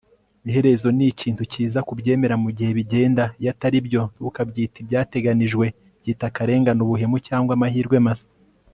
iherezo ni ikintu cyiza kubyemera mugihe bigenda. iyo atari byo, ntukabyite ibyateganijwe; byita akarengane, ubuhemu, cyangwa amahirwe masa